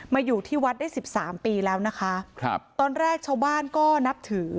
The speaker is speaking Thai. อยู่ที่วัดได้สิบสามปีแล้วนะคะครับตอนแรกชาวบ้านก็นับถือ